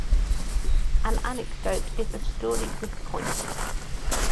An anecdote is a story with a point.